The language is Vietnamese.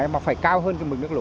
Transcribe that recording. mà phải cao hơn trong mực nước lũ